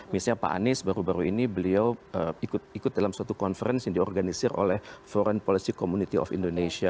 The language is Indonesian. misalnya pak anies baru baru ini beliau ikut dalam suatu conference yang diorganisir oleh foreign policy community of indonesia